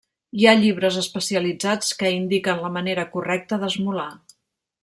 Hi ha llibres especialitzats que indiquen la manera correcta d'esmolar.